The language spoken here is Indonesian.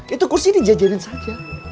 itu kursi dijajarin saja